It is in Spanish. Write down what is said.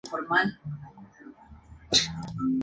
Como invitado principal tuvo al expresidente Bill Clinton.